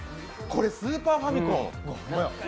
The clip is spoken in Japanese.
これ、スーパーファミコン。